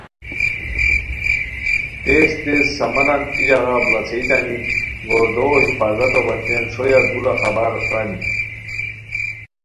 تیز تیز سامانن ای ژاغا بڑا حھیتانی گوردعو حفاظتو بچین ݰویہ دُورہ خبر پرانی